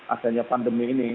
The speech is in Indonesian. adanya pandemi ini